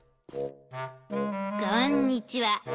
「こんにちは。